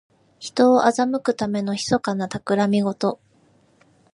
人を欺くためのひそかなたくらみごと。